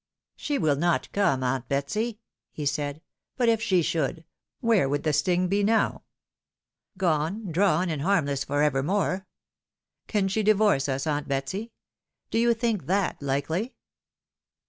"She will not come, aunt Betsy," he said; "but if she should, where would the sting be now ? Gone, drawn, and harmless for evermore ! Can she divorce us, aunt Betsy ? Do you think that hkely